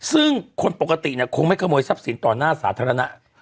ซึ่งคนปกติเนี่ยคงไม่ขโมยทรัพย์สินต่อหน้าสาธารณะ